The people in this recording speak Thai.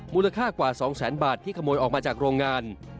มูลค่ากว่า๒แสนบาทที่ขโมยออกมาจากโรงงาน